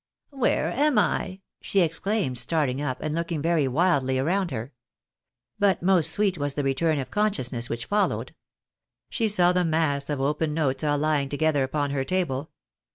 " Where am I?" she exclaimed, starting up, and looking very wildly round her. But most sweet was the return of conscious ness which followed. She saw the mass of open notes all lying together upon her table.